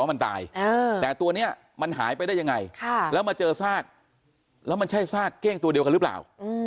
มันตายแต่ตัวนี้มันหายไปได้ยังไงแล้วมาเจอซากแล้วมันใช่ซากเก้งตัวเดียวกันหรือเปล่า